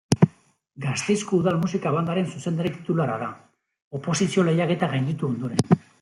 Gasteizko Udal Musika Bandaren zuzendari titularra da, oposizio-lehiaketa gainditu ondoren.